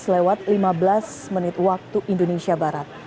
lewat lima belas menit waktu indonesia barat